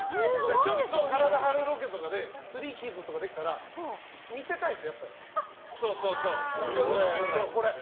ちょっと体張るロケとかですり傷とかできたら見せたいですよね、やっぱり。